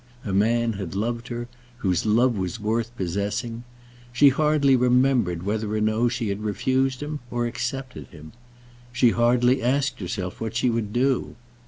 A man had loved her, whose love was worth possessing. She hardly remembered whether or no she had refused him or accepted him. She hardly asked herself what she would do.